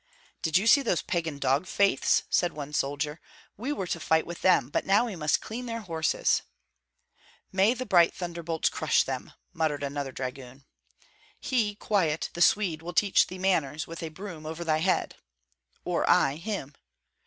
"Did you see those pagan dog faiths?" said one soldier; "we were to fight with them, but now we must clean their horses." "May the bright thunderbolts crush them!" muttered another dragoon. "He quiet, the Swede will teach thee manners with a broom over thy head!" "Or I him."